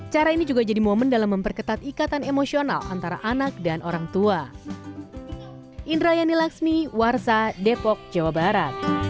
cara ini juga jadi momen dalam memperketat ikatan emosional antara anak dan orang tua